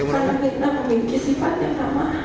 karena mirna memiliki sifat yang ramah